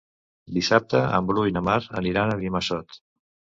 Dissabte en Bru i na Mar aniran a Benimassot.